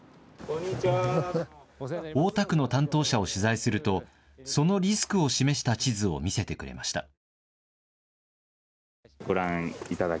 大田区の担当者を取材するとそのリスクを示した地図を見せてくれました。